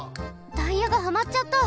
タイヤがハマっちゃった！